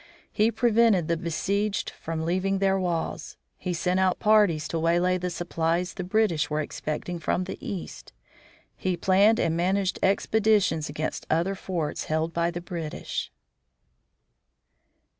He prevented the besieged from leaving their walls; he sent out parties to waylay the supplies the British were expecting from the East; he planned and managed expeditions against other forts held by the British.